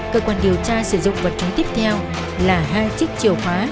cơ quan điều tra sử dụng vật chứng tiếp theo là hai chiếc chìa khóa